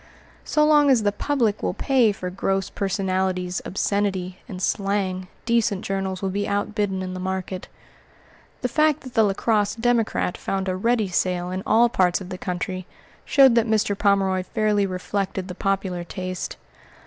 So long as the public will pay for gross personalities, obscenity, and slang, decent journals will be outbidden in the market. The fact that the La Crosse Democrat found a ready sale in all parts of the country showed that Mr. Pomeroy fairly reflected the popular taste.